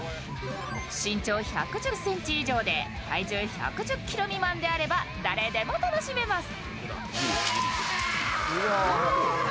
身長１１０ｃｍ以上で体重１１０ｋｇ未満であれば誰でも楽しめます。